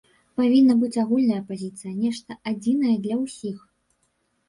Павінна быць агульная пазіцыя, нешта адзінае для ўсіх.